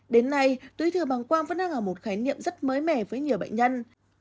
đến nay túi thừa bằng quang vẫn đang ở một khái niệm rất mới mẻ với nhiều bệnh nhân